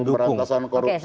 oh agendam perantasan korupsi